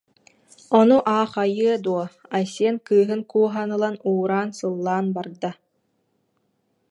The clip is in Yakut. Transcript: Ону аахайыа дуо, Айсен кыыһын кууһан ылан, уураан-сыллаан барда